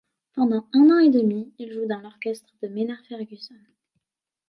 Pendant un an et demi, il joue dans l'orchestre de Maynard Ferguson.